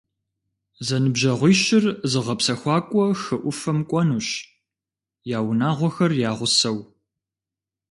Зэныбжьэгъуищыр зыгъэпсэхуакӏуэ хы ӏуфэм кӏуэнущ, я унагъуэхэр я гъусэу.